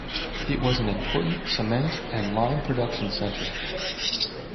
It was an important cement and line production center.